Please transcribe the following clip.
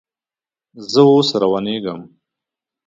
زه اوس روانېږم